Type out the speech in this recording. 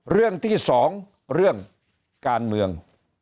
เรื่องที่๒การเมือง